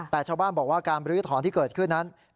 แต่ชาวบ้านบอกว่าการบรื้อถอนที่เกิดขึ้นนั้น